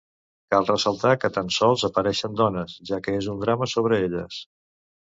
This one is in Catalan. Cal ressaltar que tan sols apareixen dones, ja que és un drama sobre elles.